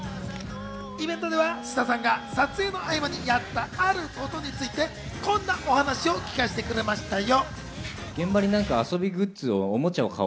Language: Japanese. イベントでは菅田さんが撮影の合間にやったあることについて、こんなお話を聞かせてくれましたよ。